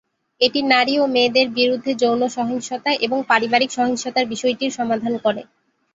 এটি নারী ও মেয়েদের বিরুদ্ধে যৌন সহিংসতা এবং পারিবারিক সহিংসতার বিষয়টির সমাধান করে।